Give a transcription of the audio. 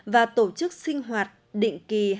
và tổ chức sinh hoạt định kỳ